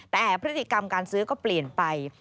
แต่พฤติกรรมการซื้อก็เปลี่ยนไป